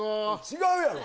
違うやろ！